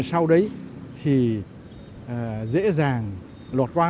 sau đấy thì dễ dàng lột qua